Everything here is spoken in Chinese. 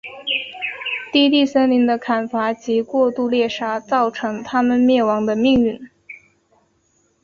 低地森林的砍伐及过度猎杀造成它们灭绝的命运。